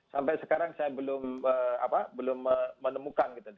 sampai sekarang saya belum menemukan gitu